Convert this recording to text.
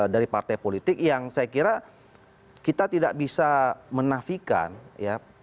dari partai politik yang saya kira kita tidak bisa menafikan ya